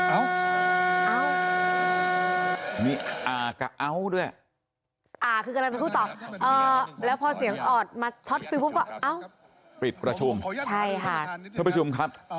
ผมขออนุญาตขออนุญาตประชุมครับ